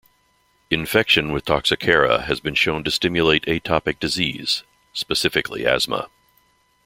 Infection with "Toxocara" has been shown to stimulate atopic disease, specifically asthma.